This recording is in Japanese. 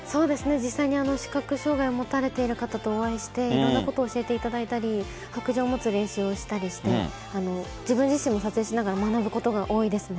実際に視覚障害を持たれている方とお会いして、いろんなことを教えていただいたり、白杖を持つ練習をしたりして、自分自身も撮影しながら学ぶことが多いですね。